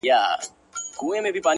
ځكه دنيا مي ته يې ـ